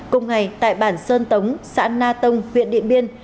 cùng ngày tại bản sơn tống xã na tông huyện điện biên